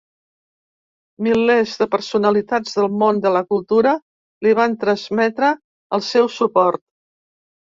Milers de personalitats del món de la cultura li van transmetre el seu suport.